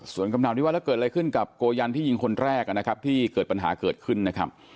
ส่วนคำถามที่ว่าแล้วเกิดอะไรขึ้นกับโกยันที่ยิงคนแรกนะครับที่เกิดปัญหาเกิดขึ้นนะครับ